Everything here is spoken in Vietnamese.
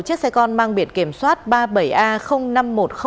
chiếc xe con mang biển kiểm soát ba mươi bảy a năm nghìn một trăm linh